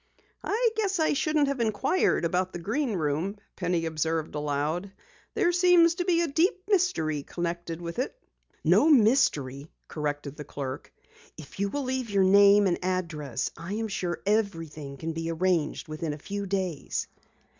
"I guess I shouldn't have inquired about the Green Room," Penny observed aloud. "There seems to be a deep mystery connected with it." "No mystery," corrected the clerk. "If you will leave your name and address I am sure everything can be arranged within a few days."